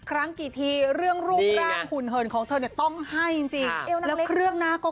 ครั้งกี่ทีเรื่องรูปร่างหุ่นเหินของเธอเนี่ยต้องให้จริงแล้วเครื่องหน้าก็